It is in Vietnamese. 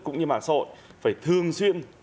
cũng như mạng xã hội phải thường xuyên